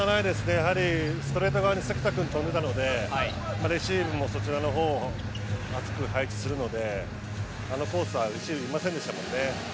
やはり、ストレート側に関田君が跳んでいたのでレシーブもそちらのほうを厚く配置するのであのコースはレシーブいませんでしたもんね。